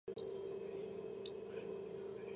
გამოდიოდა „დინამო თბილისის“ ასაკობრივ გუნდებში.